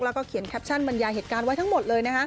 แล้วก็เขียนแคปชั่นบรรยายเหตุการณ์ไว้ทั้งหมดเลย